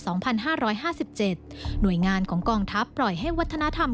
สองพันห้าร้อยห้าสิบเจ็ดหน่วยงานของกองทัพปล่อยให้วัฒนธรรม